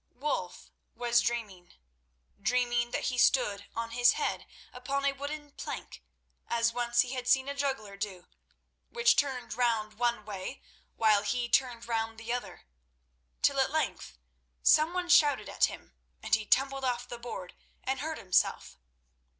Wulf was dreaming, dreaming that he stood on his head upon a wooden plank, as once he had seen a juggler do, which turned round one way while he turned round the other, till at length some one shouted at him, and he tumbled off the board and hurt himself.